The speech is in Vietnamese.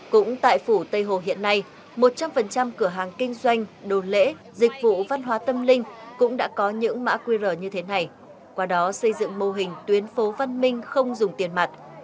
cũng tại phủ tây hồ hiện nay một trăm linh cửa hàng kinh doanh đồ lễ dịch vụ văn hóa tâm linh cũng đã có những mã qr như thế này qua đó xây dựng mô hình tuyến phố văn minh không dùng tiền mặt